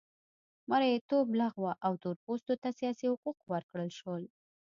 مریتوب لغوه او تور پوستو ته سیاسي حقوق ورکړل شول.